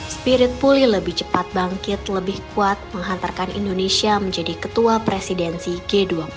spirit puli lebih cepat bangkit lebih kuat menghantarkan indonesia menjadi ketua presidensi g dua puluh